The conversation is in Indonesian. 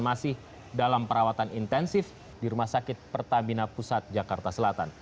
masih dalam perawatan intensif di rumah sakit pertamina pusat jakarta selatan